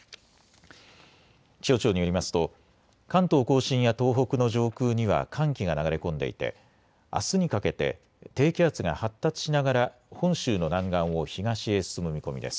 気象庁によりますと関東甲信や東北の上空には寒気が流れ込んでいて、あすにかけて低気圧が発達しながら本州の南岸を東へ進む見込みです。